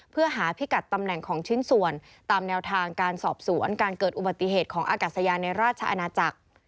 เพื่อหาพิกัดตำแหน่งของชิ้นส่วนตามแนวทางการสอบสวนการเกิดอุบัติเหตุของอากาศยานในราชอาณาจักร